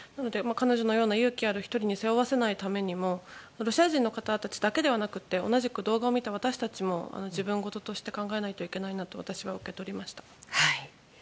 彼女のような勇気ある１人に背負わせないようにするためにもロシア人の方たちだけではなくて動画を見た私たちも自分事として考えないといけないと私は受け取りました。